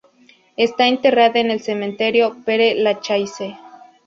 Está enterrada en el cementerio Pere-Lachaise.